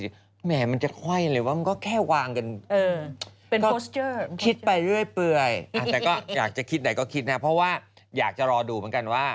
แต่ก็อยากจะคิดไหนก็คิดนะเพราะว่าอยากจะรอดูเหมือนกันว่า